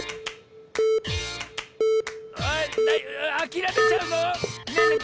あれあきらめちゃうの⁉ねえねえ